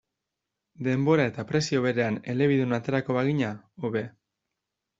Denbora eta prezio berean elebidun aterako bagina, hobe.